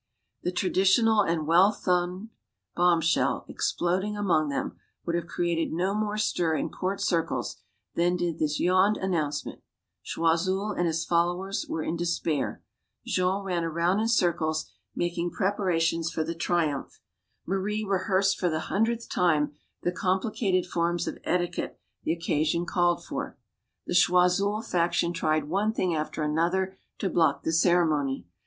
The traditional and well thumbed bombshell ex ploding among them would have created no more stir in court circles than did this yawned announcement. Choiseul and his followers were in despair. Jean ran MADAME DU BARRY 193 around in circles, making preparations for the triumph. Marie rehearsed for the hundredth time the compli cated forms of etiquette the occasion called for. The Choiseul faction tried one thing after another to block the ceremony.